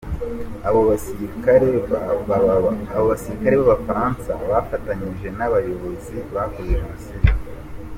Abo basirikare b’abafaransa bafatanyije n’abayobozi bakoze jenoside.